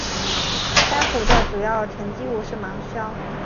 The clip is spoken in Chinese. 该湖的主要沉积物是芒硝。